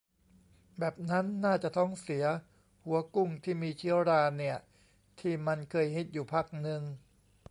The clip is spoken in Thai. แบบนั้นน่าจะท้องเสีย หัวกุ้งที่มีเชื้อราเนี่ย ที่มันเคยฮิตอยู่พักนึง